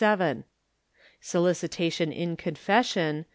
57 Solicitation in Confession